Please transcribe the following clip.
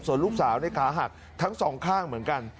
ส่วนลูกสาวในขาหักทั้งสองข้างเหมือนกัน